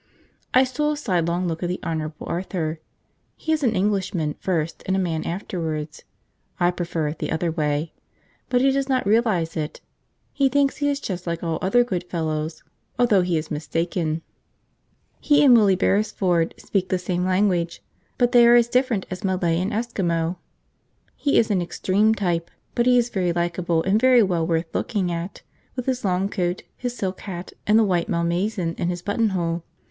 I stole a sidelong look at the Honourable Arthur. He is an Englishman first, and a man afterwards (I prefer it the other way), but he does not realise it; he thinks he is just like all other good fellows, although he is mistaken. He and Willie Beresford speak the same language, but they are as different as Malay and Eskimo. He is an extreme type, but he is very likeable and very well worth looking at, with his long coat, his silk hat, and the white Malmaison in his buttonhole.